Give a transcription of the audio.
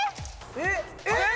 えっ？えっ？